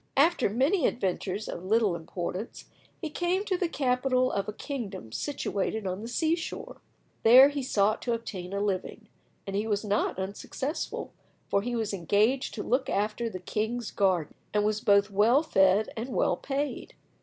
After many adventures of little importance he came to the capital of a kingdom situated on the sea shore. There he sought to obtain a living, and he was not unsuccessful, for he was engaged to look after the king's garden, and was both well fed and well paid.